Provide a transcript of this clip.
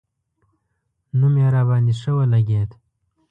نوم یې راباندې ښه ولګېد.